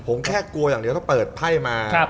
ผมแค่กลัวอย่างเดียวถ้าเปิดไพ่มา